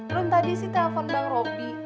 run tadi sih telepon bang robby